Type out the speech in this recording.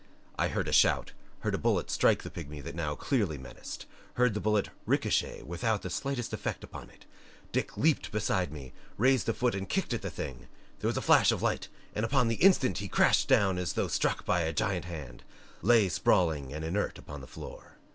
I heard a shout; heard a bullet strike the pigmy that now clearly menaced; heard the bullet ricochet without the slightest effect upon it. Dick leaped beside me, raised a foot and kicked at the thing. There was a flash of light and upon the instant he crashed down as though struck by a giant hand, lay sprawling and inert upon the floor.